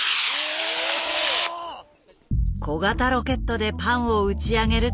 小型ロケットでパンを打ち上げるというアイデア。